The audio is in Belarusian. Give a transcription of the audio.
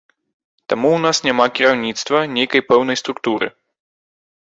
Таму ў нас няма кіраўніцтва, нейкай пэўнай структуры.